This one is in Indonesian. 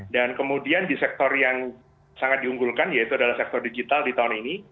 dan kemudian di sektor yang sangat diunggulkan yaitu adalah sektor digital di tahun ini